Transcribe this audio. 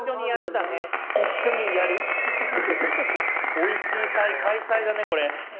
おいしい祭開催だねこれ。